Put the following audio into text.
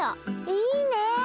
いいねえ！